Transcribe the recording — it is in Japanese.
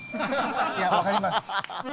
いや、分かります。